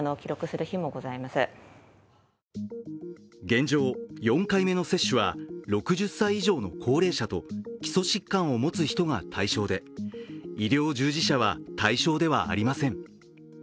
現状、４回目の接種は６０歳以上の高齢者と基礎疾患を持つ人が対象で、医療従事者は対象ではありません。